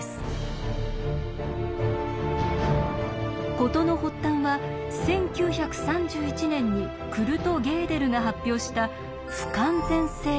事の発端は１９３１年にクルト・ゲーデルが発表した「不完全性定理」。